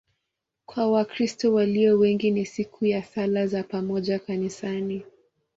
Kwa Wakristo walio wengi ni siku ya sala za pamoja kanisani.